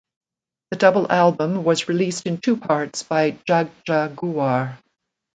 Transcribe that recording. The double album was released in two parts by Jagjaguwar.